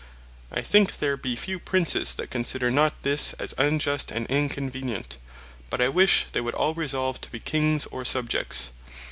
I think there be few Princes that consider not this as Injust, and Inconvenient; but I wish they would all resolve to be Kings, or Subjects.